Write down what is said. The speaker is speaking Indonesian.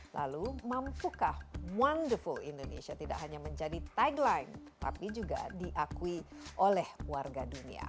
lalu mampukah wonderful indonesia tidak hanya menjadi tagline tapi juga diakui oleh warga dunia